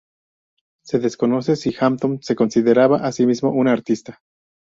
Se desconoce si Hampton se consideraba a sí mismo un artista.